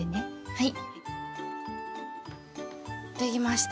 はい。